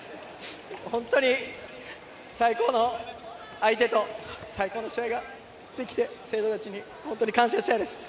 本当に最高の相手と最高の試合ができて生徒たちに本当に感謝したいです。